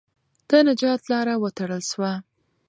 د نجات لاره وتړل سوه.